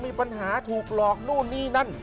มีปัญหาถูกหลอกนู่นนี่นั่น